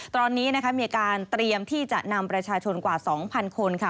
ตอนนี้มีการเตรียมที่จะนำประชาชนกว่า๒๐๐คนค่ะ